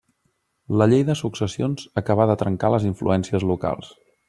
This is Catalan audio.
La llei de successions acabà de trencar les influències locals.